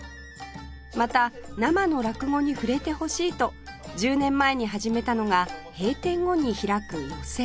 また生の落語に触れてほしいと１０年前に始めたのが閉店後に開く寄席